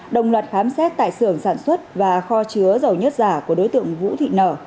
đồng loạt khám xét tại xưởng sản xuất và kho chứa dầu nhất giả của đối tượng vũ thị nở